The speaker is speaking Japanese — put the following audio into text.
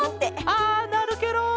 あなるケロ。